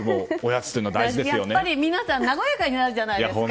皆さん和やかになるじゃないですか。